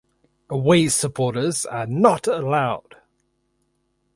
Away supporters are not allowed.